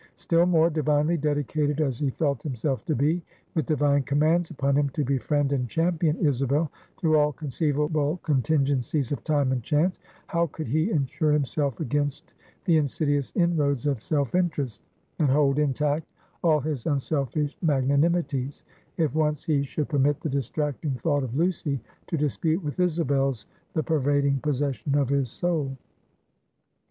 Still more: divinely dedicated as he felt himself to be; with divine commands upon him to befriend and champion Isabel, through all conceivable contingencies of Time and Chance; how could he insure himself against the insidious inroads of self interest, and hold intact all his unselfish magnanimities, if once he should permit the distracting thought of Lucy to dispute with Isabel's the pervading possession of his soul?